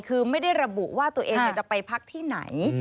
คือไม่ได้ระบุว่าตัวเองจะไปพักที่ไหน